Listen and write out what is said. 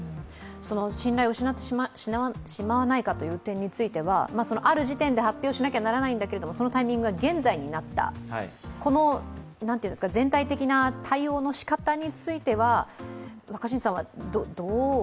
信頼を失ってしまわないかという点については、ある時点で発表しなければならないんだけれども、そのタイミングが現在になった、この全体的な対応の仕方についてはどうでしょうか。